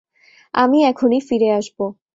আমি এখনি ফিরে আসব।